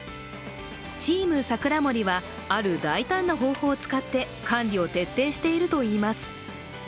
チーム桜守はある大胆な方法を使って管理を徹底しているといいます。